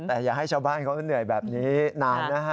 แต่อย่าให้ชาวบ้านเขาเหนื่อยแบบนี้นานนะฮะ